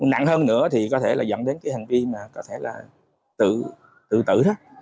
nặng hơn nữa thì có thể là dẫn đến cái hành vi mà có thể là tự tử đó